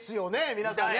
皆さんね！